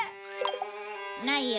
ないよ。